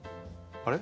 あれ？